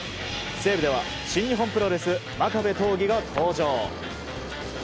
西武では新日本プロレス真壁刀義の登場。